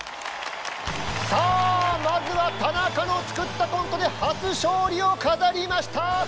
さあまずは田中の作ったコントで初勝利を飾りました！